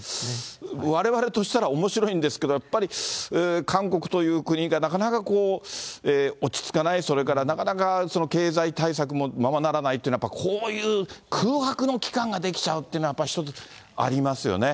われわれとしたらおもしろいんですけど、やっぱり韓国という国がなかなか、落ち着かない、それからなかなか経済対策もままならないというのは、やっぱりこういう空白の期間が出来ちゃうっていうのは一つ、ありますよね。